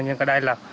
nhưng đây là